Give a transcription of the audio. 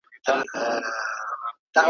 چي را ویښ نه سی وطندارانو ,